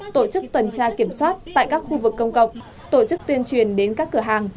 tổ chức tuần tra kiểm soát tại các khu vực công cộng tổ chức tuyên truyền đến các cửa hàng